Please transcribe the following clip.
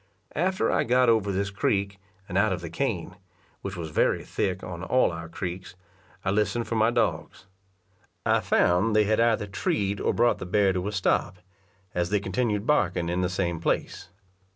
After I got over this creek and out of the cane, which was very thick on all our creeks, I listened for my dogs. I found they had either treed or brought the bear to a stop, as they continued barking in the same place.